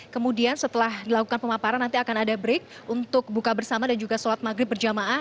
kemudian setelah dilakukan pemaparan nanti akan ada break untuk buka bersama dan juga sholat maghrib berjamaah